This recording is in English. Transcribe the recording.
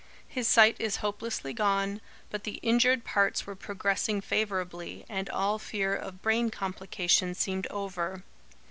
His sight is hopelessly gone, but the injured parts were progressing favourably, and all fear of brain complications seemed over.